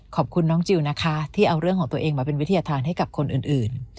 ขอบคุณน้องจิลนะคะที่เอาเรื่องของตัวเองมาเป็นวิทยาธารให้กับคนอื่น